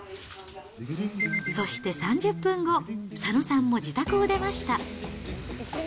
そして３０分後、佐野さんも自宅を出ました。